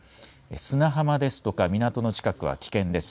砂浜ですとか港の近くは危険です。